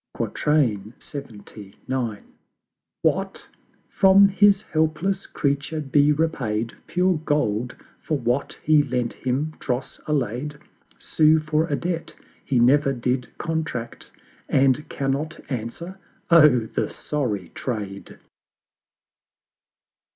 LXXIX. What! from his helpless Creature be repaid Pure Gold for what he lent him dross allay'd Sue for a Debt he never did contract, And cannot answer Oh the sorry trade!